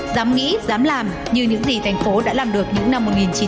dám nghĩ dám làm như những gì thành phố đã làm được những năm một nghìn chín trăm chín mươi hai nghìn